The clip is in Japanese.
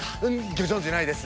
ギョ存じないです。